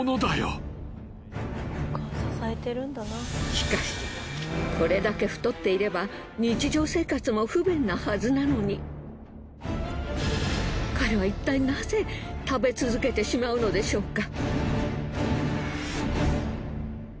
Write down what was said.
しかしこれだけ太っていれば日常生活も不便なはずなのに彼はいったいナゼ食べ続けてしまうのでしょうか？